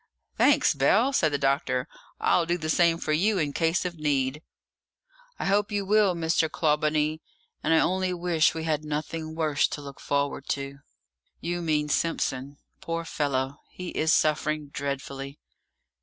"Thanks, Bell," said the doctor; "I'll do the same for you in case of need." "I hope you will, Mr. Clawbonny, and I only wish we had nothing worse to look forward to!" "You mean Simpson! Poor fellow, he is suffering dreadfully!"